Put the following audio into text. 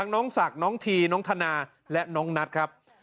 น้องศักดิ์น้องทีน้องธนาและน้องนัทครับ